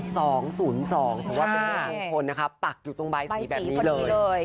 แต่ว่าเป็นคนปลักอยู่ตรงใบสีแบบนี้เลย